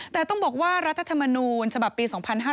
แต่ต้องบอกว่ารัฐธรรมนูญฉบับปี๒๕๕๙